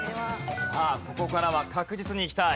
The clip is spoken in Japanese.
さあここからは確実にいきたい。